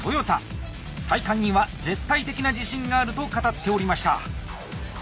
体幹には絶対的な自信があると語っておりました。